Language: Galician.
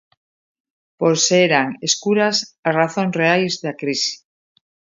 Por se eran escuras as razóns reais da crise.